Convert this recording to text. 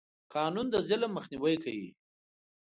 قانون د ظلم مخنیوی کوي.